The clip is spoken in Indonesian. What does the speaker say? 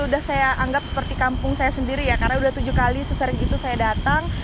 itu sudah saya anggap seperti kampung saya sendiri ya karena sudah tujuh kali seserik itu saya datang